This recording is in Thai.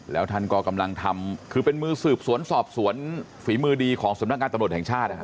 แล้วท่านก็กำลังทำคือเป็นมือสืบสวนสอบสวนฝีมือดีของสำนักงานตำรวจแห่งชาติ